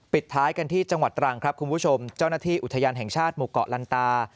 ท้ายกันที่จังหวัดตรังครับคุณผู้ชมเจ้าหน้าที่อุทยานแห่งชาติหมู่เกาะลันตา